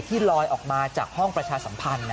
ลอยออกมาจากห้องประชาสัมพันธ์